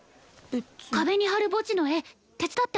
壁に貼る墓地の絵手伝ってあげて。